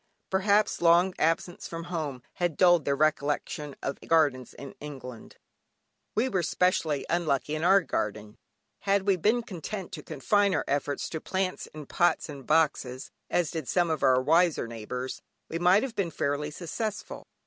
Perhaps long absence from home had dulled their recollection of gardens in England. We were specially unlucky in our garden. Had we been content to confine our efforts to plants in pots and boxes (as did some of our wiser neighbours) we might have been fairly successful.